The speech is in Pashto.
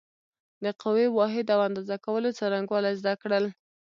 د قوې واحد او اندازه کولو څرنګوالی زده کړل.